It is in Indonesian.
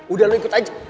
udah lu ikut aja